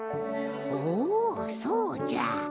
おおそうじゃ。